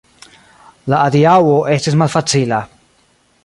La adiaŭo estis malfacila.